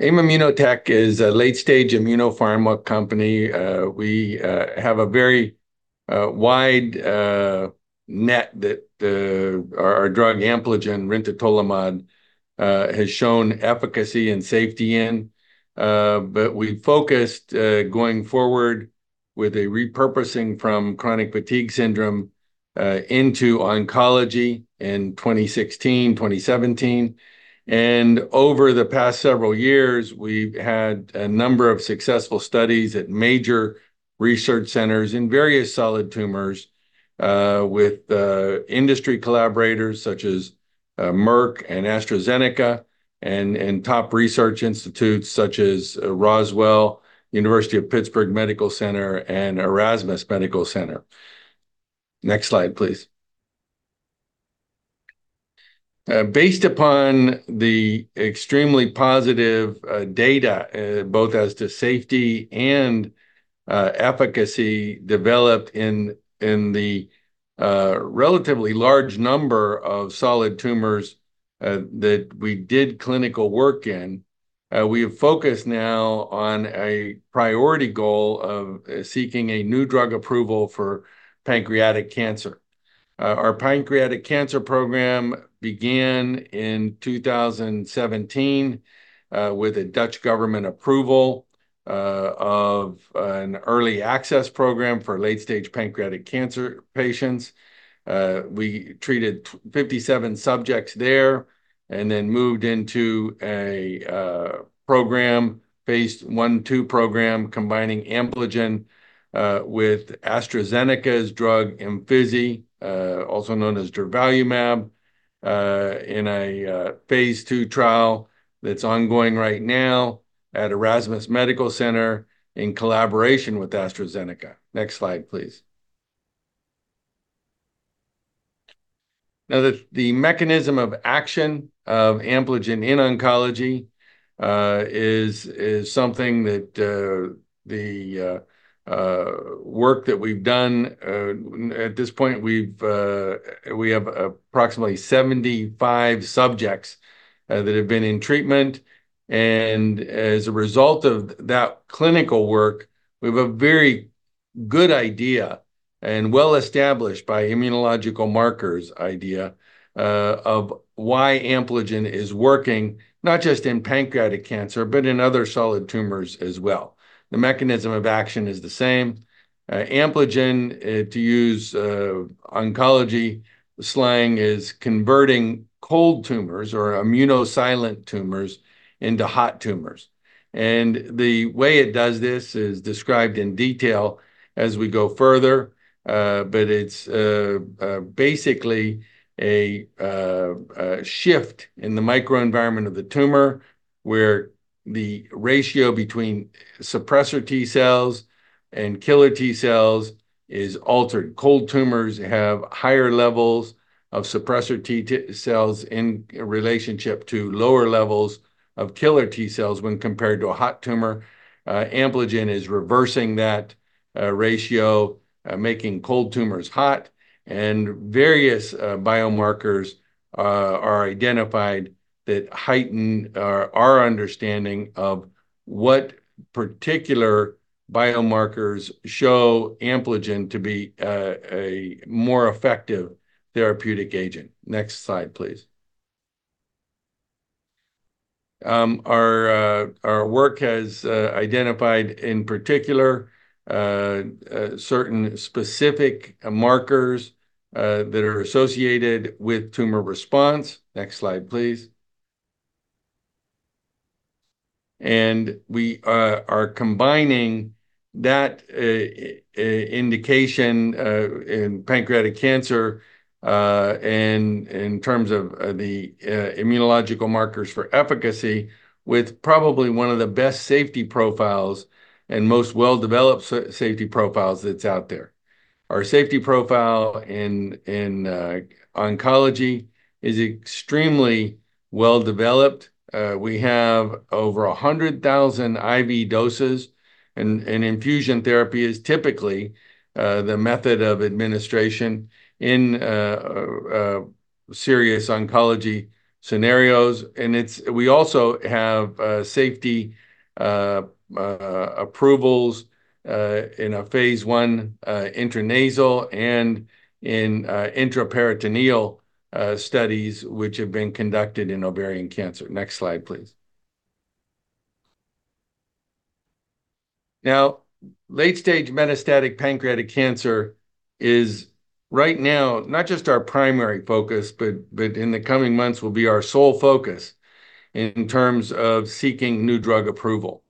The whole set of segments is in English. AIM ImmunoTech is a late-stage immunopharma company. We have a very wide net that our drug Ampligen, rintatolimod, has shown efficacy and safety in. We focused going forward with a repurposing from chronic fatigue syndrome into oncology in 2016-2017. Over the past several years, we've had a number of successful studies at major research centers in various solid tumors, with industry collaborators such as Merck and AstraZeneca, and top research institutes such as Roswell, University of Pittsburgh Medical Center, and Erasmus Medical Center. Next slide, please. Based upon the extremely positive data, both as to safety and efficacy, developed in the relatively large number of solid tumors that we did clinical work in, we have focused now on a priority goal of seeking a new drug approval for pancreatic cancer. Our pancreatic cancer program began in 2017, with a Dutch government approval of an early access program for late-stage pancreatic cancer patients. We treated 57 subjects there, and then moved into a program, phase I/II program, combining Ampligen with AstraZeneca's drug Imfinzi, also known as durvalumab, in a phase II trial that's ongoing right now at Erasmus Medical Center, in collaboration with AstraZeneca. Next slide, please. Now, the mechanism of action of Ampligen in oncology is something that the work that we've done at this point, we have approximately 75 subjects that have been in treatment. And as a result of that clinical work, we have a very good idea, and well-established by immunological markers idea, of why Ampligen is working, not just in pancreatic cancer, but in other solid tumors as well. The mechanism of action is the same. Ampligen, to use oncology slang, is converting cold tumors or immunosilent tumors into hot tumors. The way it does this is described in detail as we go further. It's basically a shift in the microenvironment of the tumor, where the ratio between suppressor T cells and killer T cells is altered. Cold tumors have higher levels of suppressor T cells in relationship to lower levels of killer T cells when compared to a hot tumor. Ampligen is reversing that ratio, making cold tumors hot. Various biomarkers are identified that heighten our understanding of what particular biomarkers show Ampligen to be a more effective therapeutic agent. Next slide, please. Our work has identified, in particular, certain specific markers that are associated with tumor response. Next slide, please. We are combining that indication in pancreatic cancer, in terms of the immunological markers for efficacy, with probably one of the best safety profiles and most well-developed safety profiles that's out there. Our safety profile in oncology is extremely well-developed. We have over 100,000 IV doses. Infusion therapy is typically the method of administration in serious oncology scenarios. We also have safety approvals in a phase I intranasal and in intraperitoneal studies, which have been conducted in ovarian cancer. Next slide, please. Now, late-stage metastatic pancreatic cancer is right now not just our primary focus, but in the coming months will be our sole focus, in terms of seeking new drug approval.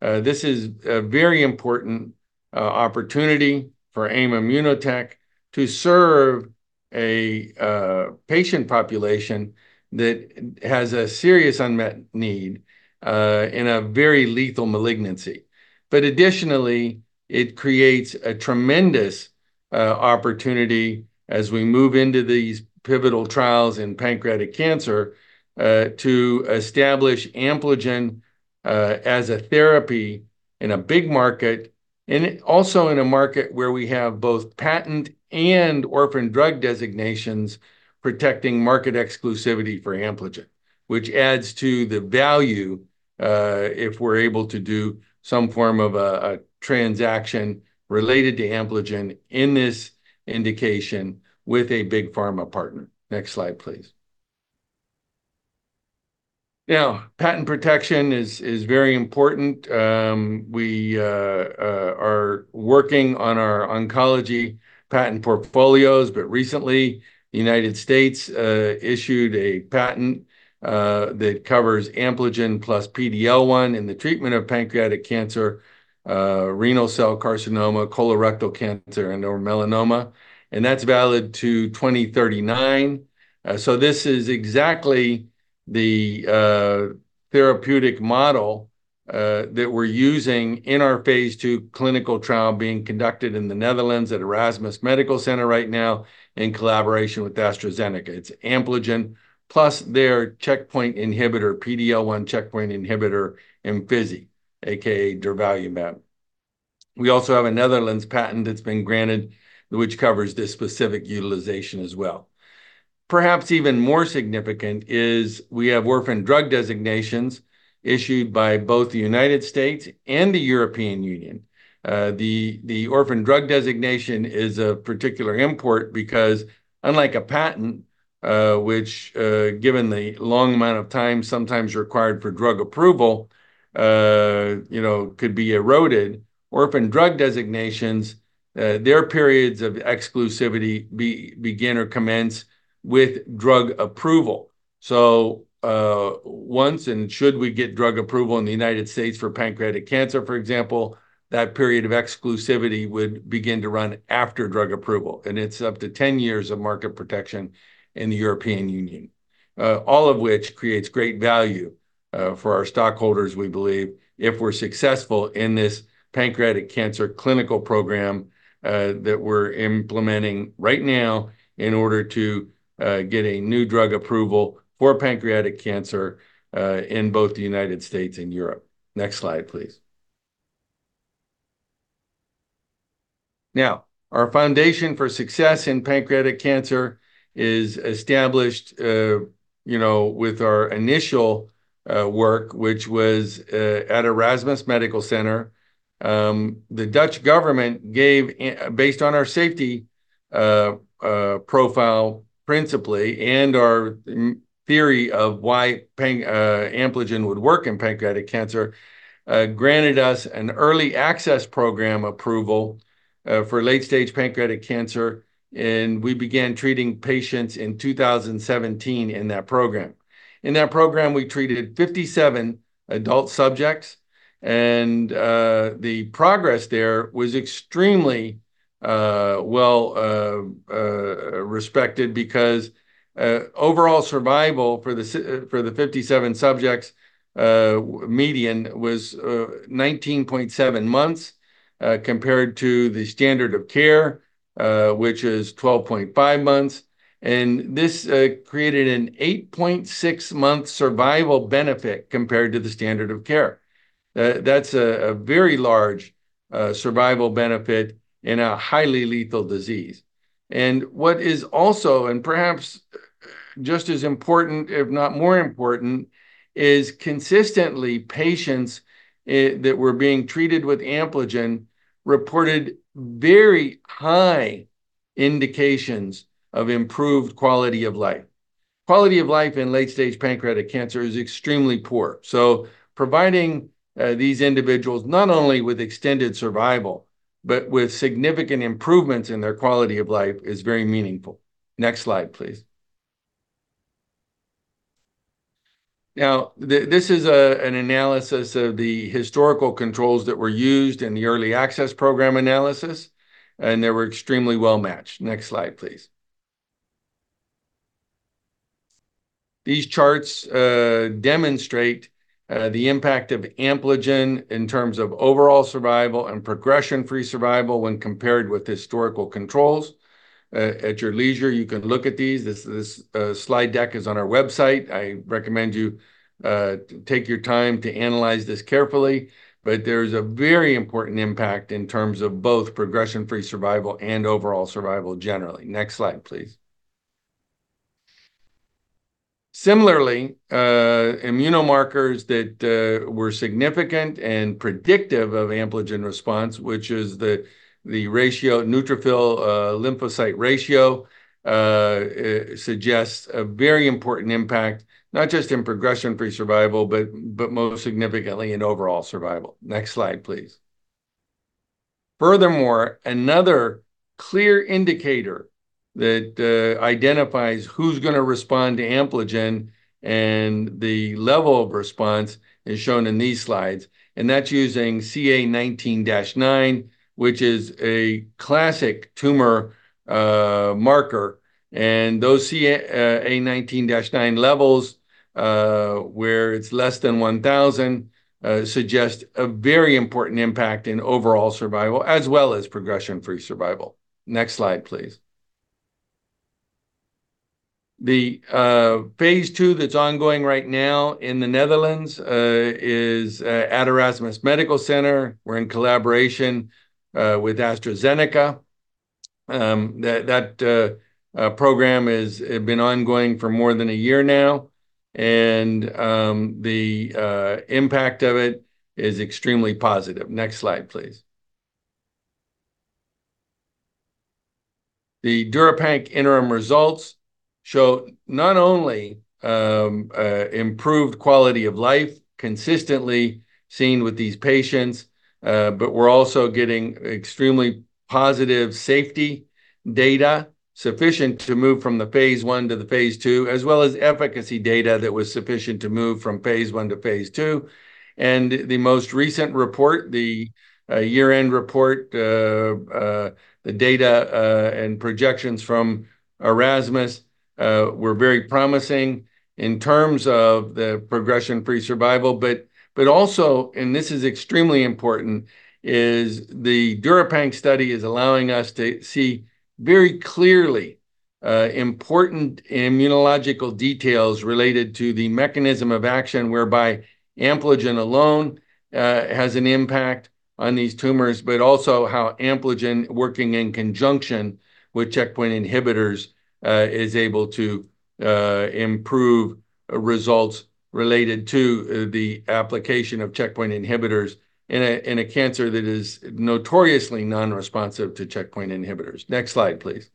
This is a very important opportunity for AIM ImmunoTech to serve a patient population that has a serious unmet need in a very lethal malignancy. But additionally, it creates a tremendous opportunity, as we move into these pivotal trials in pancreatic cancer, to establish Ampligen as a therapy in a big market, and also in a market where we have both patent and orphan drug designations protecting market exclusivity for Ampligen, which adds to the value if we're able to do some form of a transaction related to Ampligen in this indication with a big pharma partner. Next slide, please. Now, patent protection is very important. We are working on our oncology patent portfolios. But recently, the United States issued a patent that covers Ampligen plus PD-L1 in the treatment of pancreatic cancer, renal cell carcinoma, colorectal cancer, and/or melanoma. That's valid to 2039. So this is exactly the therapeutic model that we're using in our phase II clinical trial being conducted in the Netherlands at Erasmus Medical Center right now, in collaboration with AstraZeneca. It's Ampligen plus their checkpoint inhibitor, PD-L1 checkpoint inhibitor, Imfinzi, a.k.a. durvalumab. We also have a Netherlands patent that's been granted, which covers this specific utilization as well. Perhaps even more significant is we have orphan drug designations issued by both the United States and the European Union. The orphan drug designation is a particular important because, unlike a patent, which, given the long amount of time sometimes required for drug approval, could be eroded, orphan drug designations, their periods of exclusivity begin or commence with drug approval. So once and should we get drug approval in the United States for pancreatic cancer, for example, that period of exclusivity would begin to run after drug approval. It's up to 10 years of market protection in the European Union, all of which creates great value for our stockholders, we believe, if we're successful in this pancreatic cancer clinical program that we're implementing right now in order to get a new drug approval for pancreatic cancer in both the United States and Europe. Next slide, please. Now, our foundation for success in pancreatic cancer is established with our initial work, which was at Erasmus Medical Center. The Dutch government gave, based on our safety profile principally, and our theory of why Ampligen would work in pancreatic cancer, granted us an Early Access Program approval for late-stage pancreatic cancer. We began treating patients in 2017 in that program. In that program, we treated 57 adult subjects. The progress there was extremely well respected because overall survival for the 57 subjects median was 19.7 months, compared to the standard of care, which is 12.5 months. This created an 8.6-month survival benefit compared to the standard of care. That's a very large survival benefit in a highly lethal disease. What is also, and perhaps just as important, if not more important, is consistently, patients that were being treated with Ampligen reported very high indications of improved quality of life. Quality of life in late-stage pancreatic cancer is extremely poor. Providing these individuals not only with extended survival, but with significant improvements in their quality of life is very meaningful. Next slide, please. Now, this is an analysis of the historical controls that were used in the Early Access Program analysis. They were extremely well-matched. Next slide, please. These charts demonstrate the impact of Ampligen in terms of overall survival and progression-free survival when compared with historical controls. At your leisure, you can look at these. This slide deck is on our website. I recommend you take your time to analyze this carefully. But there's a very important impact in terms of both progression-free survival and overall survival generally. Next slide, please. Similarly, immunomarkers that were significant and predictive of Ampligen response, which is the neutrophil-lymphocyte ratio, suggest a very important impact, not just in progression-free survival, but most significantly in overall survival. Next slide, please. Furthermore, another clear indicator that identifies who's going to respond to Ampligen and the level of response is shown in these slides. And that's using CA 19-9, which is a classic tumor marker. Those CA 19-9 levels, where it's less than 1,000, suggest a very important impact in overall survival, as well as progression-free survival. Next slide, please. The phase II that's ongoing right now in the Netherlands is at Erasmus Medical Center. We're in collaboration with AstraZeneca. That program has been ongoing for more than a year now. The impact of it is extremely positive. Next slide, please. The DURIPANC interim results show not only improved quality of life, consistently seen with these patients, but we're also getting extremely positive safety data, sufficient to move from the phase I to the phase II, as well as efficacy data that was sufficient to move from phase I to phase II. The most recent report, the year-end report, the data and projections from Erasmus were very promising in terms of the progression-free survival. But also, and this is extremely important, is the DURIPANC study is allowing us to see very clearly important immunological details related to the mechanism of action, whereby Ampligen alone has an impact on these tumors, but also how Ampligen working in conjunction with checkpoint inhibitors is able to improve results related to the application of checkpoint inhibitors in a cancer that is notoriously non-responsive to checkpoint inhibitors. Next slide, please.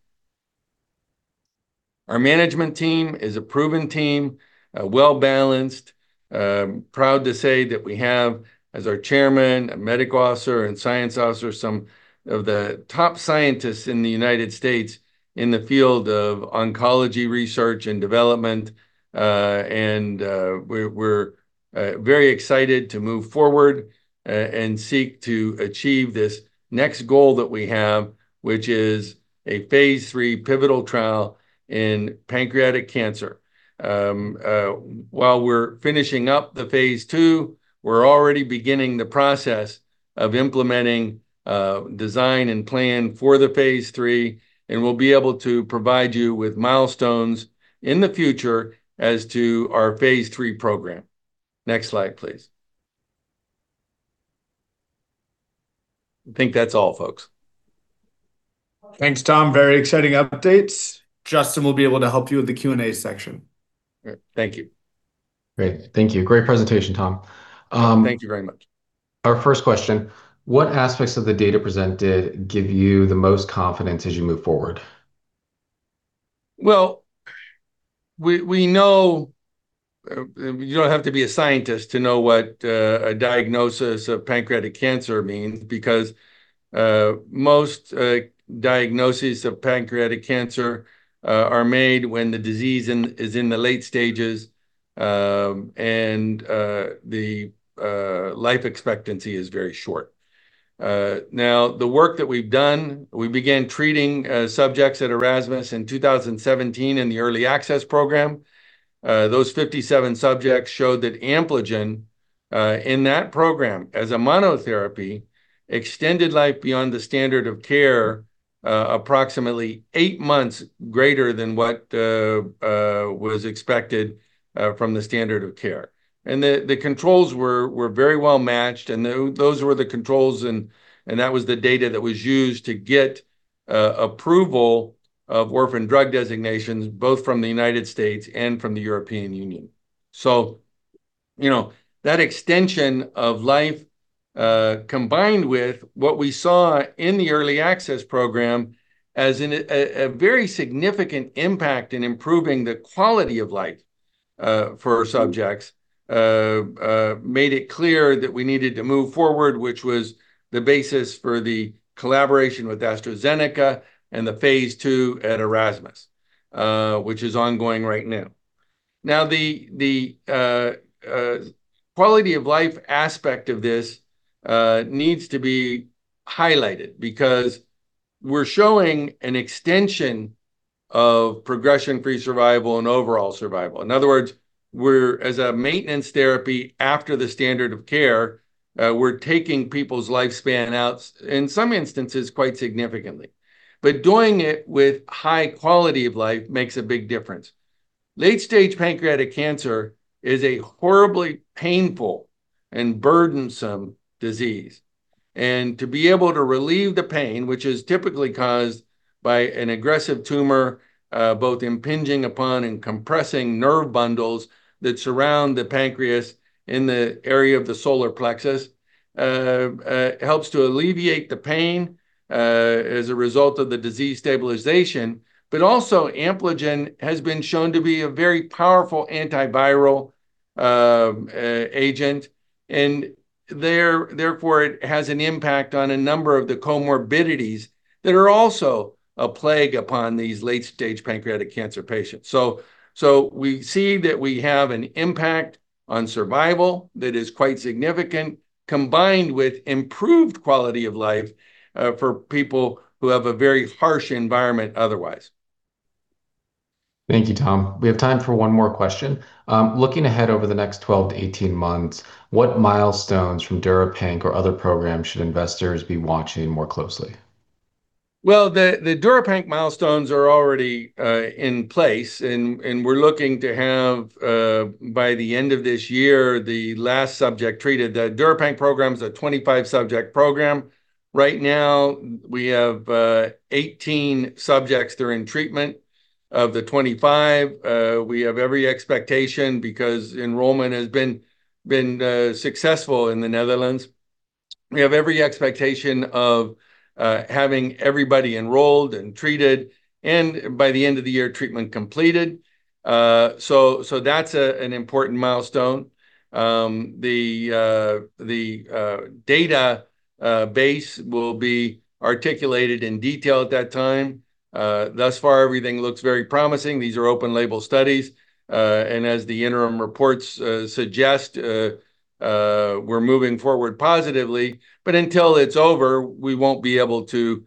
Our management team is a proven team, well-balanced. Proud to say that we have, as our Chairman, a medical officer, and science officer, some of the top scientists in the United States in the field of oncology research and development and we're very excited to move forward and seek to achieve this next goal that we have, which is a phase III pivotal trial in pancreatic cancer. While we're finishing up the phase II, we're already beginning the process of implementing design and plan for the phase III. We'll be able to provide you with milestones in the future as to our phase III program. Next slide, please. I think that's all, folks. Thanks, Tom. Very exciting updates. Justin will be able to help you with the Q&A section. All right. Thank you. Great. Thank you. Great presentation, Tom. Thank you very much. Our first question: What aspects of the data presented give you the most confidence as you move forward? Well, we know you don't have to be a scientist to know what a diagnosis of pancreatic cancer means, because most diagnoses of pancreatic cancer are made when the disease is in the late stages, and the life expectancy is very short. Now, the work that we've done, we began treating subjects at Erasmus in 2017 in the Early Access Program. Those 57 subjects showed that Ampligen in that program, as a monotherapy, extended life beyond the standard of care approximately eight months greater than what was expected from the standard of care. The controls were very well-matched. Those were the controls. That was the data that was used to get approval of orphan drug designations, both from the United States and from the European Union. So, you know, that extension of life, combined with what we saw in the early access program as a very significant impact in improving the quality of life for subjects, made it clear that we needed to move forward, which was the basis for the collaboration with AstraZeneca and the phase II at Erasmus, which is ongoing right now. Now, the quality of life aspect of this needs to be highlighted because we're showing an extension of progression-free survival and overall survival. In other words, we're, as a maintenance therapy after the standard of care, we're taking people's lifespan out, in some instances, quite significantly. But doing it with high quality of life makes a big difference. Late-stage pancreatic cancer is a horribly painful and burdensome disease. To be able to relieve the pain, which is typically caused by an aggressive tumor both impinging upon and compressing nerve bundles that surround the pancreas in the area of the solar plexus, helps to alleviate the pain as a result of the disease stabilization. Also, Ampligen has been shown to be a very powerful antiviral agent. Therefore, it has an impact on a number of the comorbidities that are also a plague upon these late-stage pancreatic cancer patients. We see that we have an impact on survival that is quite significant, combined with improved quality of life for people who have a very harsh environment otherwise. Thank you, Tom. We have time for one more question. Looking ahead over the next 12-18 months, what milestones from DURIPANC or other programs should investors be watching more closely? Well, the DURIPANC milestones are already in place. We're looking to have, by the end of this year, the last subject treated. The DURIPANC program is a 25-subject program. Right now, we have 18 subjects that are in treatment of the 25. We have every expectation because enrollment has been successful in the Netherlands. We have every expectation of having everybody enrolled and treated, and by the end of the year, treatment completed. That's an important milestone. The database will be articulated in detail at that time. Thus far, everything looks very promising. These are open-label studies. As the interim reports suggest, we're moving forward positively. But until it's over, we won't be able to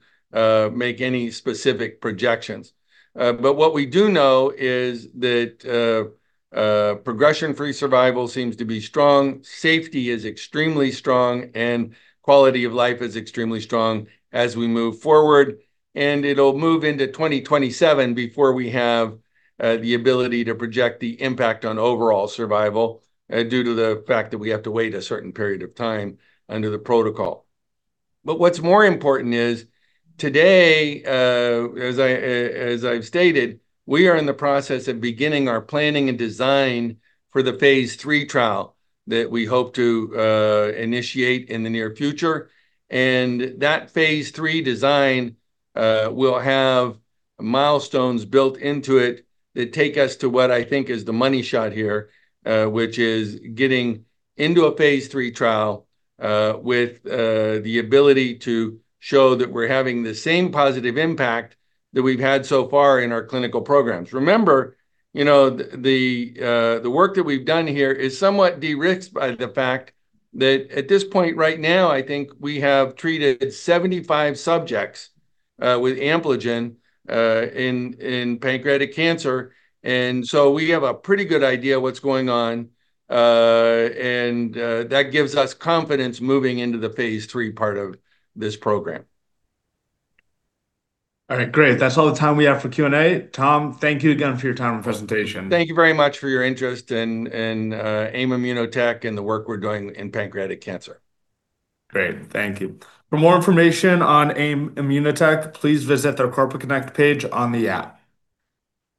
make any specific projections. What we do know is that progression-free survival seems to be strong, safety is extremely strong, and quality of life is extremely strong as we move forward. It'll move into 2027 before we have the ability to project the impact on overall survival due to the fact that we have to wait a certain period of time under the protocol. What's more important is, today, as I've stated, we are in the process of beginning our planning and design for the phase III trial that we hope to initiate in the near future. That phase III design will have milestones built into it that take us to what I think is the money shot here, which is getting into a phase III trial with the ability to show that we're having the same positive impact that we've had so far in our clinical programs. Remember, you know, the work that we've done here is somewhat de-risked by the fact that at this point right now, I think we have treated 75 subjects with Ampligen in pancreatic cancer. That gives us confidence moving into the phase III part of this program. All right, great. That's all the time we have for Q&A. Tom, thank you again for your time and presentation. Thank you very much for your interest in AIM ImmunoTech and the work we're doing in pancreatic cancer. Great. Thank you. For more information on AIM ImmunoTech, please visit their Corporate Connect page on the app.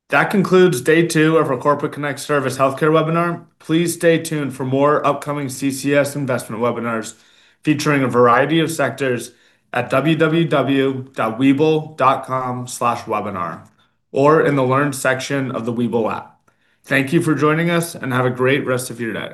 That concludes Day Two of our Corporate Connect Service Healthcare webinar. Please stay tuned for more upcoming CCS investment webinars featuring a variety of sectors at www.webull.com/webinar or in the Learn section of the Webull app. Thank you for joining us, and have a great rest of your day.